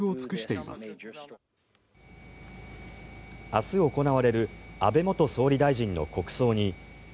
明日行われる安倍元総理大臣の国葬にＧ７・